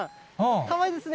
かわいいですね。